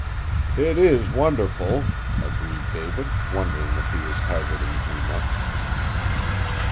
"It is wonderful," agreed David, wondering if he was hazarding too much.